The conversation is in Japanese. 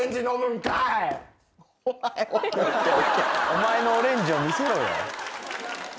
お前のオレンジを見せろよ。